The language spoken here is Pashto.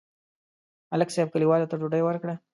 ملک صاحب کلیوالو ته ډوډۍ وکړه.